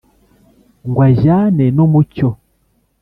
ngw ajyane n'umucyo.